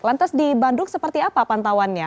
lantas di bandung seperti apa pantauannya